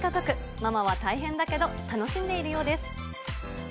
ママは大変だけど、楽しんでいるようです。